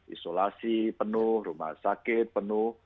isolasi penuh rumah sakit penuh